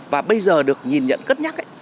và bây giờ được nhìn nhận cất nhắc